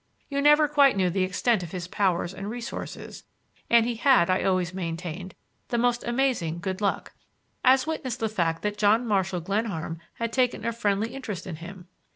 You never quite knew the extent of his powers and resources, and he had, I always maintained, the most amazing good luck,—as witness the fact that John Marshall Glenarm had taken a friendly interest in him.